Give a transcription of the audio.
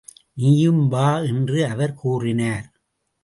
நீயும் வா என்று அவர் கூறினார்.